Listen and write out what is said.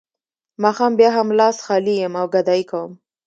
ماښام بیا هم لاس خالي یم او ګدايي کوم